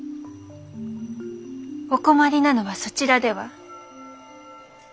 お困りなのはそちらでは？